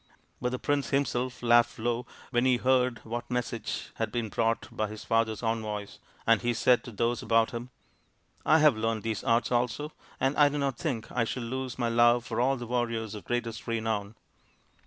But the prince himself laughed low when he heard what message had been brought by his father's envoys, and he said to those about him, " I have learned these arts also, and I do not think I shall lose my love for all the warriors of greatest renown."